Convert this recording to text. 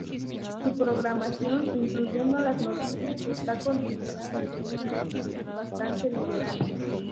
Su programación, incluyendo las noticias, está considerada de una actitud bastante liberal.